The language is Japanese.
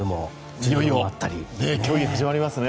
いよいよ競技が始まりますね。